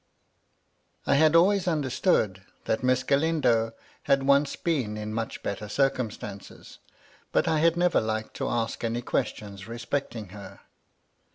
I HAD always understood that Miss Galindo had once been in much better circumstances, but I had never liked to ask any questions respecting her.